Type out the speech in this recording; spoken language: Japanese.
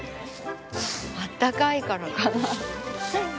あったかいからかな？